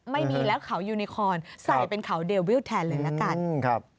ไม่มีแล้วเขายูนิคอนใส่เป็นเขาเดวิลแทนเลยละกัน